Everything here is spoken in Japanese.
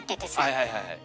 はいはいはいはい。